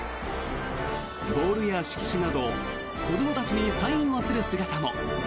ボールや色紙など子どもたちにサインする姿も。